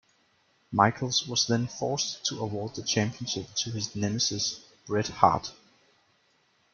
Michaels was then forced to award the championship to his nemesis, Bret Hart.